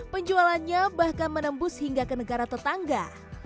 penjualannya bahkan menembus hingga ke negara tetangga